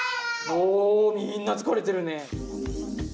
おみんな疲れてるね。